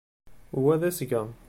Wa d asga.